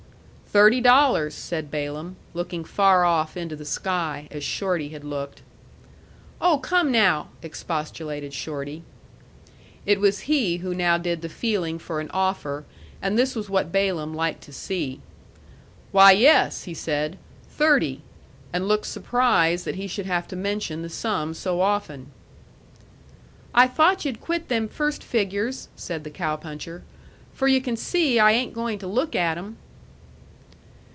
"Thirty dollars," said Balaam, looking far off into the sky, as Shorty had looked. "Oh, come, now," expostulated Shorty. It was he who now did the feeling for an offer and this was what Balaam liked to see. "Why yes," he said, "thirty," and looked surprised that he should have to mention the sum so often. "I thought yu'd quit them first figures," said the cow puncher, "for yu' can see I ain't goin' to look at em."